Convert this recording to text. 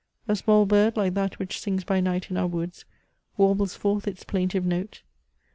A small bird like that which sings by night in our woods, warbles forth its plaintive note.